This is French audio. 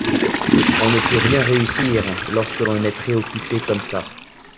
On ne peut rien réussir lorsque l'on est préoccupé comme ça.